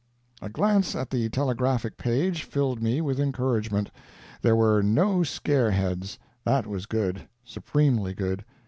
A glance at the telegraphic page filled me with encouragement. There were no scare heads. That was good supremely good.